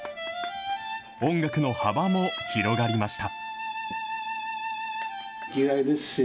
音楽の幅も広がりました。